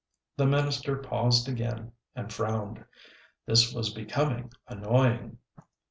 The minister paused again and frowned. This was becoming annoying.